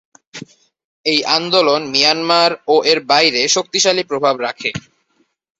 এই আন্দোলন মিয়ানমার ও এর বাইরে শক্তিশালী প্রভাব রাখে।